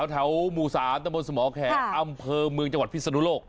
แถวหมู่๓ตะบนสมแขกอำเภอเมืองจังหวัดพิศนุโลก